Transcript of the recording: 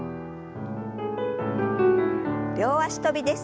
両脚跳びです。